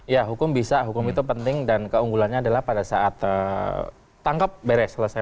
ya hukum bisa hukum itu penting dan keunggulannya adalah pada saat tangkap beres selesai